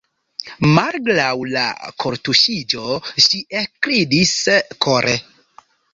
Malgraŭ la kortuŝiĝo ŝi ekridis kore.